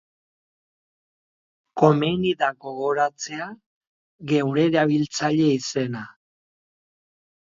Komeni da gogoratzea geure erabiltzaile izena.